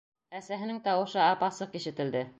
Әсәһенең тауышы ап-асыҡ ишетелде: